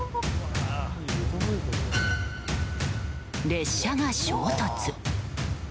列車が衝突。